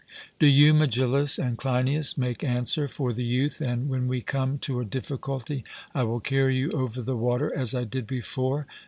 Do you, Megillus and Cleinias, make answer for the youth, and when we come to a difficulty, I will carry you over the water as I did before.